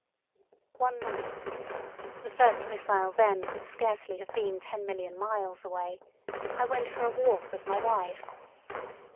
One night (the first missile then could scarcely have been 10,000,000 miles away) I went for a walk with my wife.